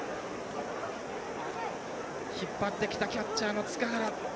引っ張ってきたキャッチャーの塚原。